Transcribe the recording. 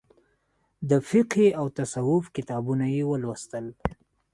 د فقهي او تصوف کتابونه یې ولوستل.